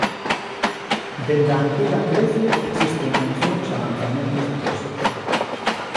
Dende a antiga Grecia existen mencións a lanzamentos de pesos.